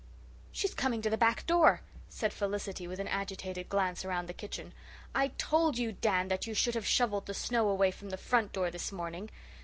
"She's coming to the back door," said Felicity, with an agitated glance around the kitchen. "I told you, Dan, that you should have shovelled the snow away from the front door this morning.